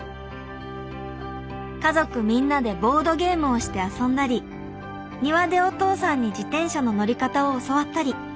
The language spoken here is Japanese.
家族みんなでボードゲームをして遊んだり庭でお父さんに自転車の乗り方を教わったり